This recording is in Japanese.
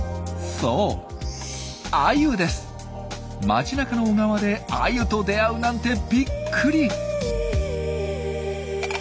街なかの小川でアユと出会うなんてびっくり！